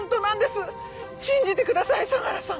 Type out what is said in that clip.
信じてください相良さん！